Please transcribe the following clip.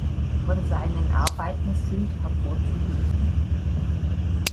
Von seinen Arbeiten sind hervorzuheben